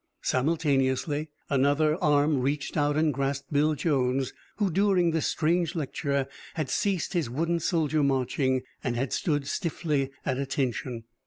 Simultaneously another arm reached out and grasped Bill Jones, who, during the strange lecture, had ceased his wooden soldier marching and had stood stiffly at attention.